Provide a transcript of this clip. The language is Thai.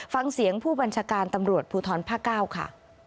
ฟังเสียงผู้บัญชาการตำรวจภูทรภาค๙ค่ะ